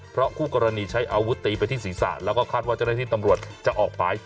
เพราะคู่กรณีใช้อาวุธตีไปที่ศีรษะแล้วก็คาดว่าเจ้าหน้าที่ตำรวจจะออกหมาย